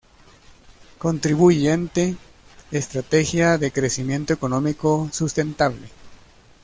Contribuyente, Estrategia de Crecimiento Económico Sustentable.